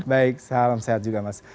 baik salam sehat juga mas